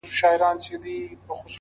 په سپورمۍ كي ستا تصوير دى;